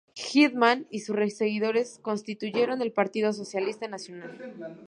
Hyndman y sus seguidores constituyeron el Partido Socialista Nacional.